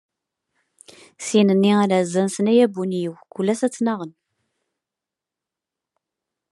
D acu ay tent-yesxelɛen?